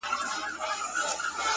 ځوان دعا کوي،